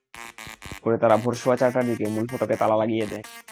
পরে তারা ভোর সোয়া চারটার দিকে মূল ফটকে তালা লাগিয়ে দেয়।